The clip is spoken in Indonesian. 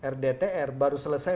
rdtr baru selesai